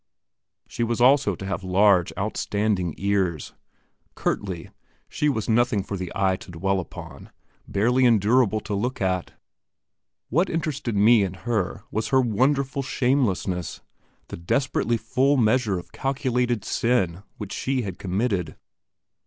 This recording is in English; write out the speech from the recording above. She was also to have large outstanding ears. Curtly, she was nothing for the eye to dwell upon, barely endurable to look at. What interested me in her was her wonderful shamelessness, the desperately full measure of calculated sin which she had committed.